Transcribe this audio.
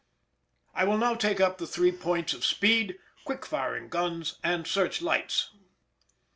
I will now take up the three points of speed, quick firing guns, and search lights.